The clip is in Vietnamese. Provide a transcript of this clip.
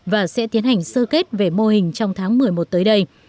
và sẽ tiến hành sơ kết về mô hình trong tháng một mươi một tới đây